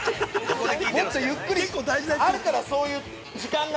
もっとゆっくりあるから、そういう時間が。